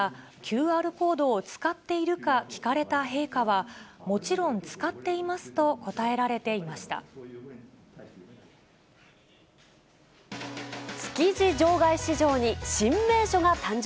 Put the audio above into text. また、ＱＲコードを使っているか聞かれた陛下は、もちろん使って築地場外市場に新名所が誕生。